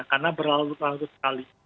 karena berlalu lalu sekali